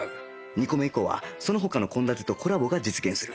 ２個目以降はその他の献立とコラボが実現する